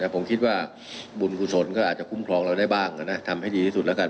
ผมคิดว่าบุญกุศลก็อาจจะคุ้มครองเราได้บ้างทำให้ดีที่สุดแล้วกัน